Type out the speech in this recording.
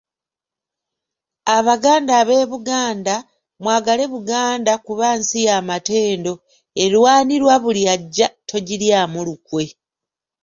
"Abaganda ab’eBuganda, mwagale Buganda kuba nsi ya matendo, erwanirwa buli ajja, togiryamu lukwe."